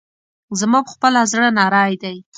زما پخپله زړه نری دی.